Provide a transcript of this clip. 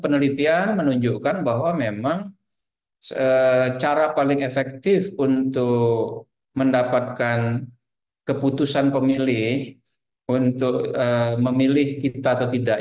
penelitian menunjukkan bahwa memang cara paling efektif untuk mendapatkan keputusan pemilih untuk memilih kita atau tidak